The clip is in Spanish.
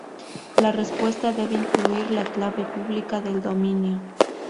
La respuesta debe incluir la clave pública del dominio.